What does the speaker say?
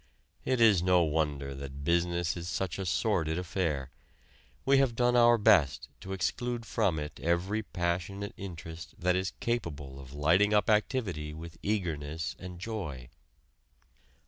It is no wonder that business is such a sordid affair. We have done our best to exclude from it every passionate interest that is capable of lighting up activity with eagerness and joy.